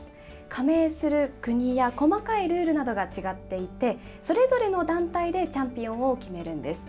加盟する国や細かいルールなどが違っていて、それぞれの団体でチャンピオンを決めるんです。